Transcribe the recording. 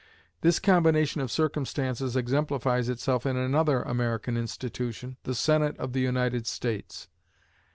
This combination of circumstances exemplifies itself in another American institution, the Senate of the United States.